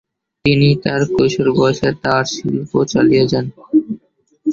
তিনি তার কৈশোর বয়সে তার শিল্প চালিয়ে যান।